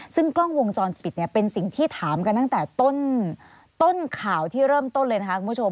ซึ่งกล้องวงจรปิดเนี่ยเป็นสิ่งที่ถามกันตั้งแต่ต้นข่าวที่เริ่มต้นเลยนะคะคุณผู้ชม